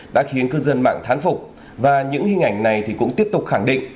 đã khiến cư dân mạng thán phục và những hình ảnh này cũng tiếp tục khẳng định